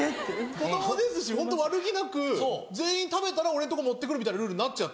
子供ですしホント悪気なく全員食べたら俺のとこ持って来るみたいなルールになっちゃって。